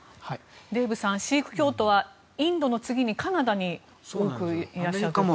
デーブさんシーク教徒はインドの次にカナダにすごくいらっしゃるということです。